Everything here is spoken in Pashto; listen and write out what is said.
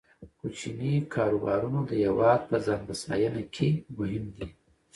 کوچني کاروبارونه د هیواد په ځان بسیاینه کې مهم دي.